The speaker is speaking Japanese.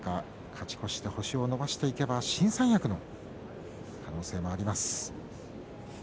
勝ち越していけば新三役の可能性もあります。